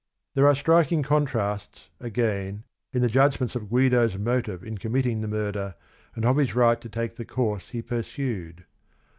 There are striking contrasts, again, in the judgments of Guido's motive in committing the murder and of his right to take the course he pursued.